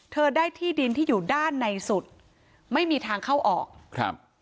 เธอได้ที่ดินที่อยู่ด้านในสุดไม่มีทางเข้าออกครับ